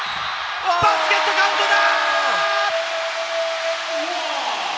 バスケットカウントだ！